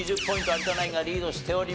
有田ナインがリードしております。